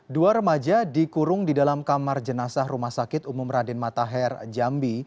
dua remaja dikurung di dalam kamar jenazah rumah sakit umum raden matahir jambi